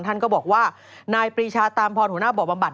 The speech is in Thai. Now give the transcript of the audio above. ท่านก็บอกว่านายปรีชาตามพรหัวหน้าบ่อบำบั